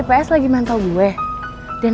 kasih naik dulu kasih naik